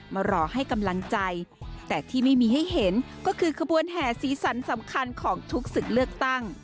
มารอให้กำลังใจแต่ที่ไม่มีให้เห็นก็คือขบวนแห่สีสันสำคัญของทุกศึกเลือกตั้ง